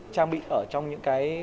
trang bị ở trong những cái